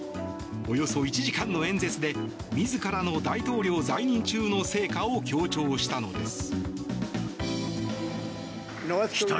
およそ１時間の演説で自らの大統領在任中の成果を強調したのです。